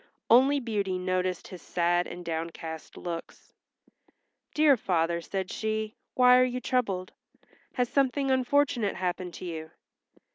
Only Beauty noticed his sad and downcast looks. "Dear father," said she, "why are you troubled? Has something unfortunate happened to you?"